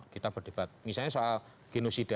kita berdebat misalnya soal genosida